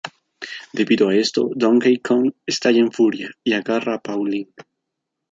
Debido a esto, Donkey Kong estalla en furia, y agarra a Pauline.